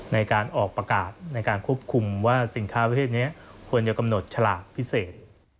ในการออกประกาศในการควบคุมว่าสินค้าประเภทนี้ควรจะกำหนดฉลากพิเศษ